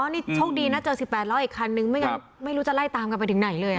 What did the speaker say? นี่โชคดีนะเจอสิบแปดล้ออีกคันนึงครับไม่รู้จะไล่ตามกันไปถึงไหนเลยอ่ะ